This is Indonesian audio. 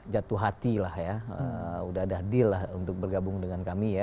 jatuh hati lah ya udah ada deal lah untuk bergabung dengan kami ya